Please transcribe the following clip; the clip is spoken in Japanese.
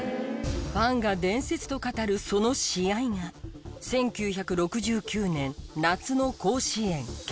ファンが「伝説」と語るその試合が１９６９年夏の甲子園決勝。